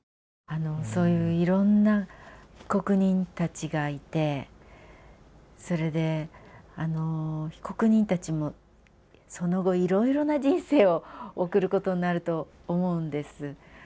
そういういろんな被告人たちがいてそれで被告人たちもその後いろいろな人生を送ることになると思うんです。